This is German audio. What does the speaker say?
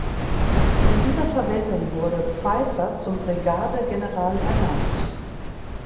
In dieser Verwendung wurde Pfeifer zum Brigadegeneral ernannt.